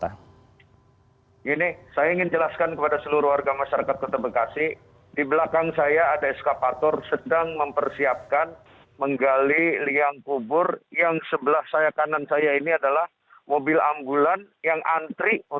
angka kematian di bekasi juga meningkat pada pekan lalu